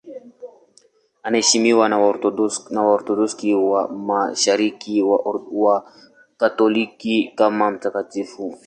Anaheshimiwa na Waorthodoksi wa Mashariki na Wakatoliki kama mtakatifu mfiadini.